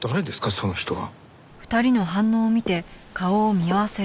その人は。